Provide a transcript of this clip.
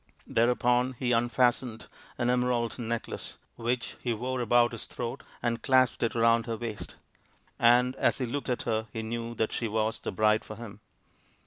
Thereupon he unfastened an emerald necklet which he wore about his throat and clasped it round her waist ; and as he looked at her he knew that she was the bride for him.